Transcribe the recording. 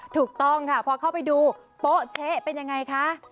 ถูกต้องค่ะพอเข้าไปดูโป๊ะเช๊เป็นยังไงคะ